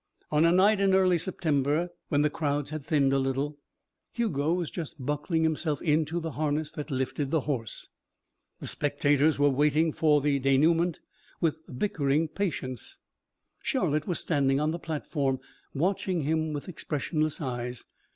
On a night in early September, when the crowds had thinned a little, Hugo was just buckling himself into the harness that lifted the horse. The spectators were waiting for the dénouement with bickering patience. Charlotte was standing on the platform, watching him with expressionless eyes.